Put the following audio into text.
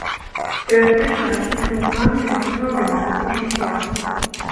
Тэарэтычна расійскаму пранкеру сапраўды магло пашанцаваць.